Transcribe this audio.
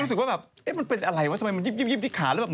มันก็รู้สึกว่าแบบเอ๊ะมันเป็นอะไรวะทำไมมันยิบที่ขา